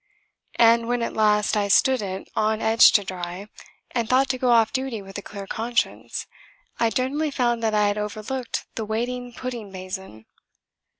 And when at last I stood it on edge to dry, and thought to go off duty with a clear conscience, I generally found that I had overlooked the waiting pudding basin.